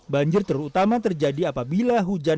banjir terutama terjadi apabila hujan